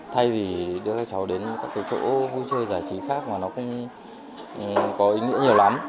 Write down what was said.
thay vì đưa các cháu đến các cái chỗ vui chơi giải trí khác mà nó cũng có ý nghĩa nhiều lắm